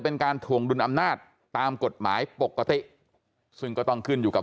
เป็นการถวงดุลอำนาจตามกฎหมายปกติซึ่งก็ต้องขึ้นอยู่กับ